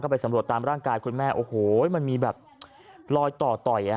ไปสำรวจตามร่างกายคุณแม่โอ้โหมันมีแบบรอยต่อต่อย